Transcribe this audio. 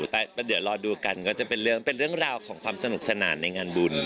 แต่เดี๋ยวรอดูกันก็จะเป็นเรื่องเป็นเรื่องราวของความสนุกสนานในงานบุญ